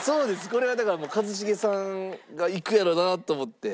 これはだから一茂さんがいくやろうなと思って。